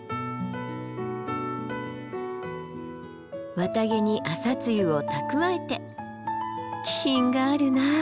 綿毛に朝露を蓄えて気品があるなあ。